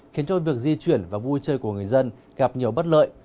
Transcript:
khiến cho việc di chuyển và vui chơi của người dân gặp nhiều bất lợi